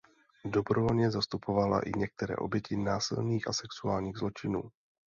Dobrovolně zastupovala i některé oběti násilných a sexuálních zločinů.